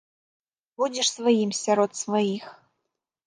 Будзеш сваім сярод сваіх.